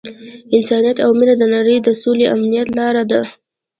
انسانیت او مینه د نړۍ د سولې او امنیت لاره ده.